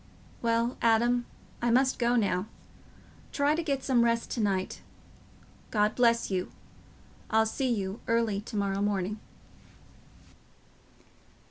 Well, Adam, I must go now. Try to get some rest to night. God bless you. I'll see you early to morrow morning."